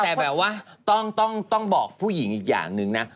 แต่แบบว่าต้องบอกผู้หญิงอีกอย่างนึงนะ